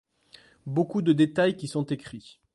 Beaucoup de détails qui sont écrits.